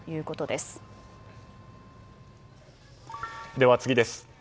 では、次です。